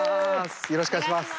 よろしくお願いします。